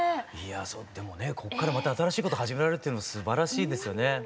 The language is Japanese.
いやでもねこっからまた新しいこと始められるっていうのはすばらしいですよね。